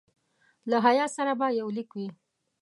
له هیات سره به یو لیک وي.